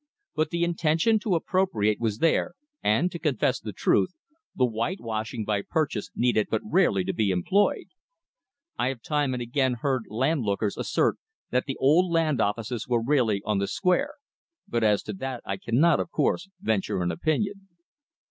But the intention to appropriate was there, and, to confess the truth, the whitewashing by purchase needed but rarely to be employed. I have time and again heard landlookers assert that the old Land Offices were rarely "on the square," but as to that I cannot, of course, venture an opinion.